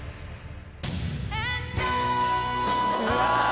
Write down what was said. うわ！